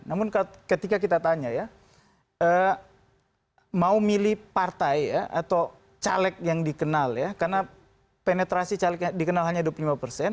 namun ketika kita tanya ya mau milih partai ya atau caleg yang dikenal ya karena penetrasi calegnya dikenal hanya dua puluh lima persen